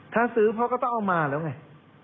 ถ้าซื้อพ่อก็ต้องเอามาแล้วไง